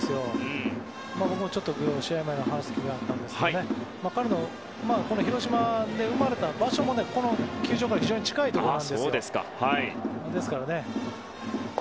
僕も試合前に話す機会があったんですけど彼の広島で生まれた場所もこの球場から非常に近いところなんですよ。